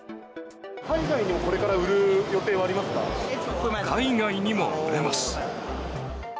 海外にもこれから売る予定は海外にも売れます。